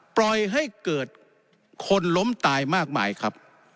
ปล่อยให้เกิดคนล้มตายมากมายครับ